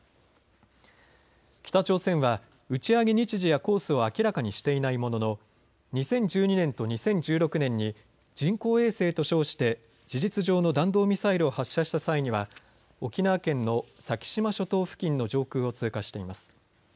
北朝鮮は打ち上げ日時やコースを明らかにしてないものの２０１２年と２０１６年に人工衛星と称して事実上の弾道ミサイルを発射した際には沖縄県の先島諸島付近の上空を通過しています。